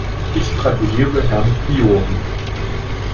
Ich gratuliere Herrn Fiori.